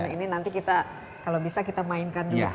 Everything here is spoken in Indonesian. ini nanti kalau bisa kita mainkan dulu